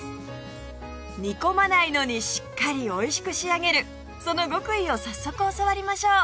煮込まないのにしっかりおいしく仕上げるその極意を早速教わりましょう！